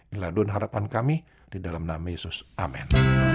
inilah dunia harapan kami di dalam nama yesus amen